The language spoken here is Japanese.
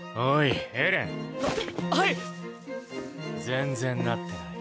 全然なってない。